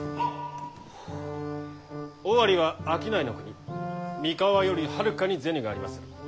尾張は商いの国三河よりはるかに銭がありまする。